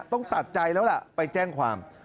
ต้องตัดใจแล้วล่ะไปแจ้งความ